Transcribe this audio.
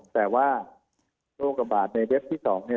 แต่ว่าโรคบาดในเว็บที่๒